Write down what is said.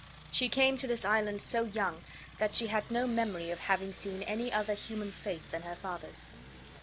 She came to this island so young that she had no memory of having seen any other human face than her father's.